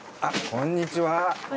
こんにちは。